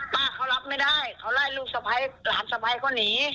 ป้าเขารับไม่ได้เขาไล่ลูกสภัยหลานสภัยก็หนี